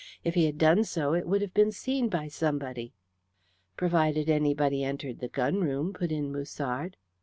"If he had done so it would have been seen by somebody." "Provided anybody entered the gun room," put in Musard.